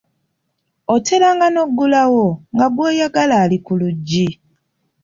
Oteranga n’oggulawo, nga gw'oyagala ali ku luggi.